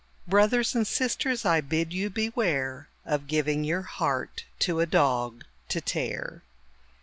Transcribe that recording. Brothers and sisters, I bid you beware Of giving your heart to a dog to tear.